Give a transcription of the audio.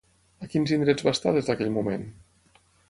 A quins indrets va estar des d'aquell moment?